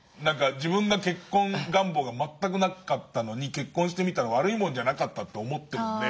自分が結婚願望が全くなかったのに結婚してみたら悪いものじゃなかったと思ってるので。